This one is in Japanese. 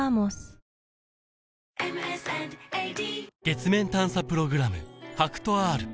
月面探査プログラム